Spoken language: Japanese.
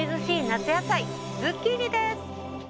夏野菜ズッキーニです。